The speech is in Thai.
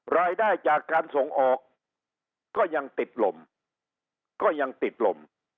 รายได้จากการส่งออกก็ยังติดลมก็ยังติดลม